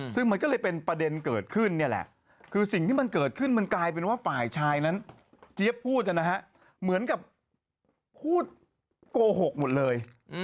ซึ่งมันก็เลยเป็นประเด็นเกิดขึ้นนี่แหละคือสิ่งที่มันเกิดขึ้นมันกลายเป็นว่าฝ่ายชายนั้นเจี๊ยบพูดนะฮะเหมือนกับพูดโกหกหมดเลย